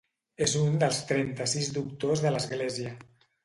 És un dels trenta-sis Doctors de l'Església.